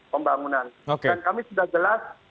pembangunan dan kami sudah jelas